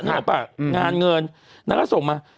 ออกป่ะงานเงินนางก็ส่งมา